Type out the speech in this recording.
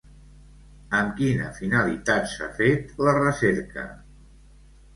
Amb quina finalitat s'ha fet la recerca?